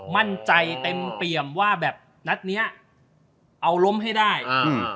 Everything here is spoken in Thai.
มั่นใจเต็มเปรียมว่าแบบนัดเนี้ยเอาล้มให้ได้อืม